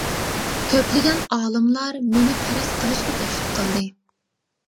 كۆپلىگەن ئالىملار مېنى پەرەز قىلىشقا تەكلىپ قىلدى.